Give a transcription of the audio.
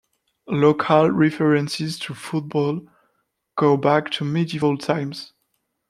Local references to football go back to medieval times.